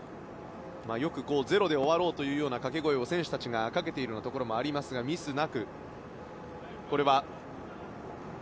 よく、０で終わろうというような掛け声を選手たちがかけているところもありますが、ミスなくと。